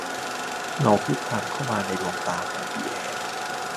เงาคลืบคลานเข้ามาในดวงตาของปิแอร์